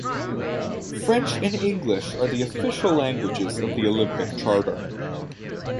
French and English are the official languages of the Olympic Charter.